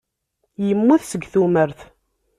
Yemmut seg tumert.